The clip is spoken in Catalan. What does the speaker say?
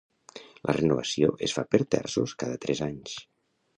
La renovació es fa per terços cada tres anys.